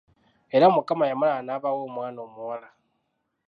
Era Mukama yamala n’abawa omwana omuwala.